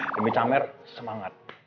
lebih camer semangat